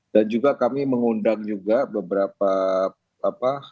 dan juga kami mengundang juga beberapa pemerintah